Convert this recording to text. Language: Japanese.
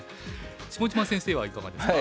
下島先生はいかがですか？